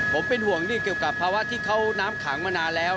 ผมเป็นห่วงนี่เกี่ยวกับภาวะที่เขาน้ำขังมานานแล้ว